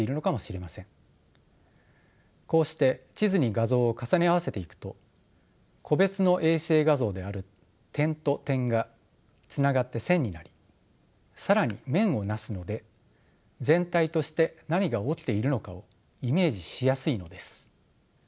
こうして地図に画像を重ね合わせていくと個別の衛星画像である点と点がつながって線になり更に面をなすので全体として何が起きているのかをイメージしやすいのです。